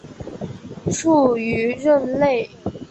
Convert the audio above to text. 卒于任内。